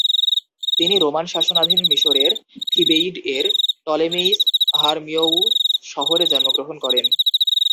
তিনি রোমান শাসনাধীন মিশরের থিবেইড এর টলেমেইস হারমিওউ শহরে জন্মগ্রহণ করেন।